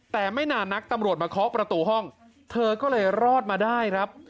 แต่ไม่นานนักตำรวจมาเคาะประตูห้องเธอก็เลยรอดมาได้ครับ